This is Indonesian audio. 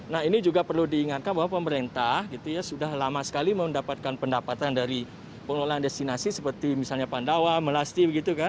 nah ini juga perlu diingatkan bahwa pemerintah gitu ya sudah lama sekali mendapatkan pendapatan dari pengelolaan destinasi seperti misalnya pandawa melasti begitu kan